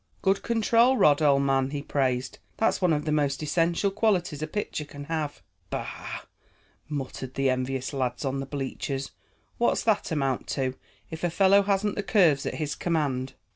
"Good control, Rod, old man," he praised. "That's one of the most essential qualities a pitcher can have." "Bah!" muttered the envious lad on the bleachers. "What's that amount to, if a fellow hasn't the curves at his command?"